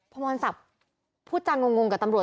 พมรศักดิ์พูดจางงกับตำรวจ